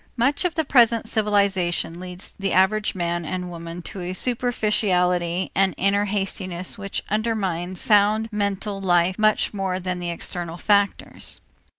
Much of the present civilization leads the average man and woman to a superficiality and inner hastiness which undermines sound mental life much more than the external factors.